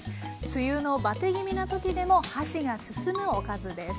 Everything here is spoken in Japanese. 梅雨のバテ気味な時でも箸が進むおかずです。